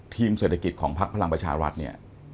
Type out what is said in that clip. เศรษฐกิจของพักพลังประชารัฐเนี่ย